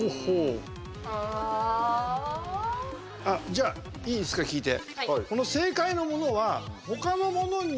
じゃあいいですか、聞いて。